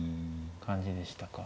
感じでしたか。